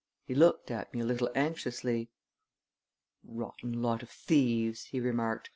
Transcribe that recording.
He looked at me a little anxiously. "Rotten lot of thieves!" he remarked.